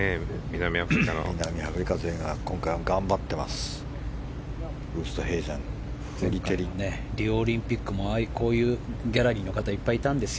南アフリカ勢が今回は頑張ってます。